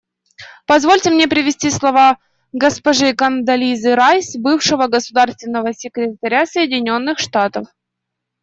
Позвольте мне привести слова госпожи Кондолизы Райс, бывшего государственного секретаря Соединенных Штатов.